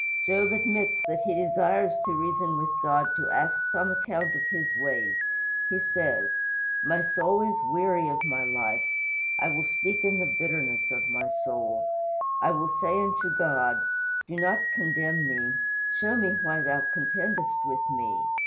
Job admits that he desires to reason with God to ask some account of his ways. He says: "My soul is weary of my life. I will speak in the bitterness of my soul. I will say unto God, Do not condemn me; show me why thou contendest with me.